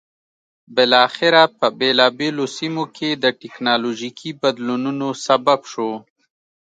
بالاخره په بېلابېلو سیمو کې د ټکنالوژیکي بدلونونو سبب شو.